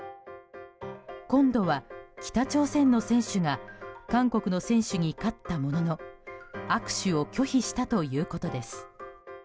今度は北朝鮮の選手が韓国の選手に勝ったものの握手を拒否したということです。